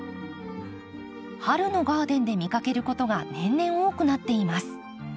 春のガーデンで見かけることが年々多くなっています。